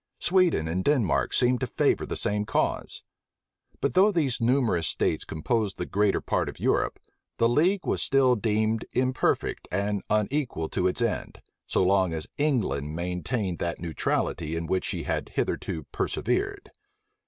Sweden and Denmark seemed to favor the same cause. But though these numerous states composed the greater part of Europe, the league was still deemed imperfect and unequal to its end, so long as England maintained that neutrality in which she had hitherto persevered.